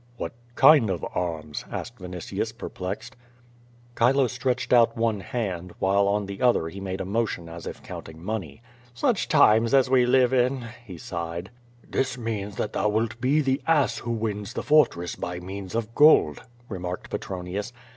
"What kind of arms?" asked Vinitius, perplexed. Chile stretched out one hand, while with the other he made a motion as if counting money. "Such times as we live in!" he sighed. "This means that thou wilt be the ass who wins the fort ress by means of gold," remarked Petronius.